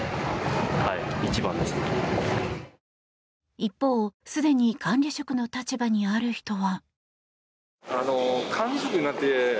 一方、すでに管理職の立場にある人は。